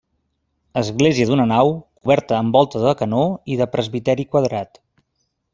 Església d'una nau, coberta amb volta de canó, i de presbiteri quadrat.